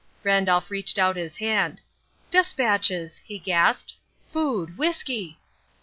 Randolph reached out his hand. "Despatches!" he gasped. "Food, whisky!"